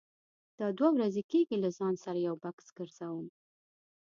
دا دوه ورځې کېږي زه له ځان سره یو بکس ګرځوم.